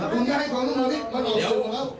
พี่เข้าไปเดี๋ยว